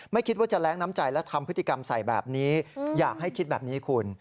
ไม่คิดว่าจะแรงน้ำใจและทำพฤติกรรมใส่แบบนี้อยากให้คิดแบบนี้คุณ